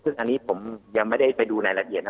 ซึ่งอันนี้ผมยังไม่ได้ไปดูรายละเอียดนะ